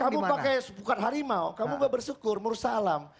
kamu pakai bukan harimau kamu bersyukur merusak alam